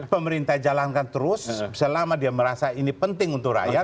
pemerintah jalankan terus selama dia merasa ini penting untuk rakyat